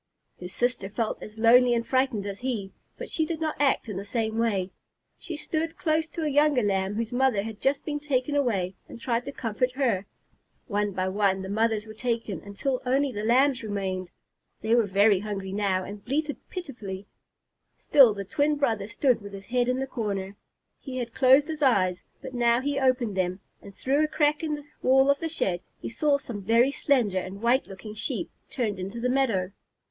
His sister felt as lonely and frightened as he, but she did not act in the same way. She stood close to a younger Lamb whose mother had just been taken away, and tried to comfort her. One by one the mothers were taken until only the Lambs remained. They were very hungry now, and bleated pitifully. Still the twin brother stood with his head in the corner. He had closed his eyes, but now he opened them, and through a crack in the wall of the shed, he saw some very slender and white looking Sheep turned into the meadow.